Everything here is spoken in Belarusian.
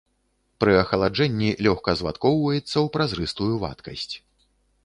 Пры ахаладжэнні лёгка звадкоўваецца ў празрыстую вадкасць.